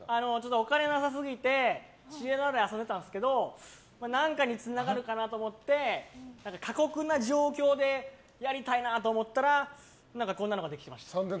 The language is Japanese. お金なさすぎて知恵の輪で遊んでたんですけど何かにつながるかなと思って過酷な状況でやりたいなと思ったらこんなのができてました。